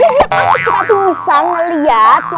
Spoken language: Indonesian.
jadi aku pasti gak bisa ngeliat